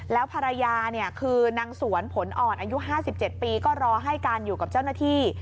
แล้วภรรยาเนี่ยคือนางสวนผลอ่อนอายุ๕๗ปีก็รอให้การอยู่กับเจ้าหน้าที่